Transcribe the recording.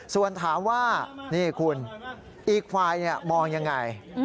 ส่วนถามว่านี่คุณอีกฝ่ายมองยังไง